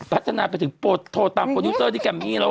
พัฒนาไปถึงโทรตามโปรดิวเตอร์ที่แกมมี่แล้ว